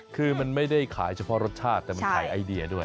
คือมันไม่ได้ขายเฉพาะรสชาติแต่มันขายไอเดียด้วย